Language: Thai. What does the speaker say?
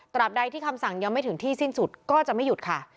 บใดที่คำสั่งยังไม่ถึงที่สิ้นสุดก็จะไม่หยุดค่ะ